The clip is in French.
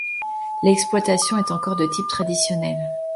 L’exploitation est encore de type traditionnelle.